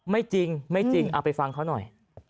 ไม่จริงเอาไปฟังเขาหน่อย